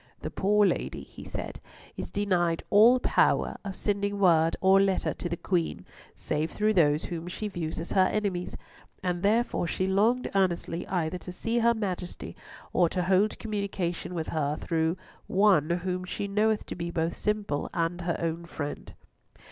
"The poor lady," he said, "is denied all power of sending word or letter to the Queen save through those whom she views as her enemies, and therefore she longed earnestly either to see her Majesty, or to hold communication with her through one whom she knoweth to be both simple and her own friend."